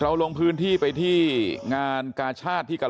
เราลงพื้นที่ไปที่งานกาชาเจระศิลป์นะครับ